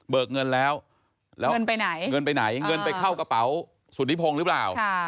เบิกเงินแล้วเงินไปไหนเงินไปเข้ากระเป๋าสุธิพงษ์หรือเปล่า